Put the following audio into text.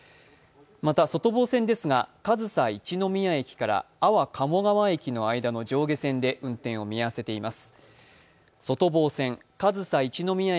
また、外房線ですが上総一ノ宮駅から安房鴨川駅の間の上下線で運転を見合わせています。